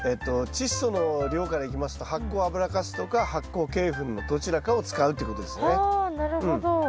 チッ素の量からいきますと発酵油かすとか発酵鶏ふんのどちらかを使うっていうことですね。はなるほど。